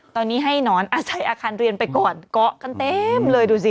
ตอนนี้ให้หนอนอาศัยอาคารเรียนไปก่อนเกาะกันเต็มเลยดูสิ